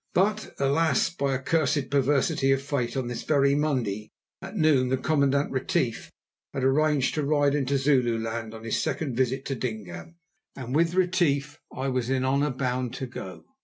But, alas! by a cursed perversity of fate, on this very Monday at noon the Commandant Retief had arranged to ride into Zululand on his second visit to Dingaan, and with Retief I was in honour bound to go.